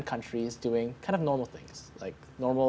dan kami memiliki ideologi yang agak normal